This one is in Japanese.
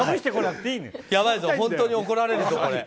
やばいぞ、本当に怒られるぞ。